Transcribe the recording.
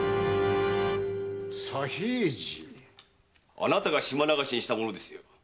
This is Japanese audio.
あなたが島流しにした者ですよ。